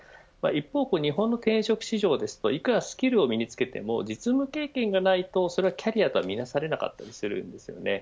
一方の日本の経営職市場はスキルを身に付けても実務経験がないと、それはキャリアとは見なされたかったりします。